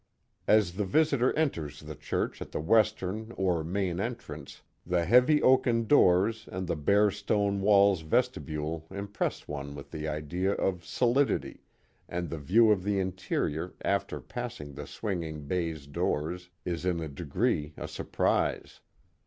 As the visitor enters the church at the western or main en trance, the heavy oaken doors and bare stone walls of the 94 The Mohawk Valley vestibule impress one with the idea of solidity, and the view of the interior after passing the swinging baize doors, is in a de gree a surprise.